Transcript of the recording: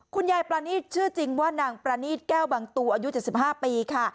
คุณยายปรานีตชื่อจริงว่านางประนีตแก้วบังตูอายุ๗๕ปีค่ะ